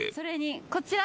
こちら。